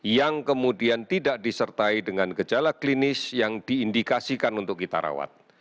yang kemudian tidak disertai dengan gejala klinis yang diindikasikan untuk kita rawat